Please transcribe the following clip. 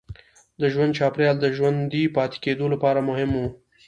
د ژوند چاپېریال د ژوندي پاتې کېدو لپاره مهم و.